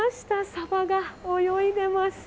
サバが泳いでます。